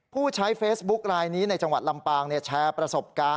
ผู้ใช้เฟซบุ๊คลายนี้ในจังหวัดลำปางแชร์ประสบการณ์